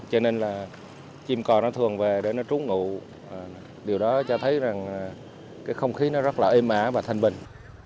cho nên là chim cò nó thường về để nó trốn ngụ điều đó cho thấy rằng cái không khí nó rất là êm á và thanh bình